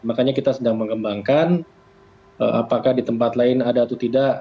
makanya kita sedang mengembangkan apakah di tempat lain ada atau tidak